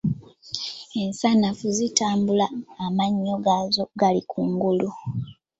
Ensanafu zitambula amannyo gaazo gali ku ngulu.